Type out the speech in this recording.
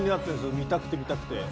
見たくて見たくて。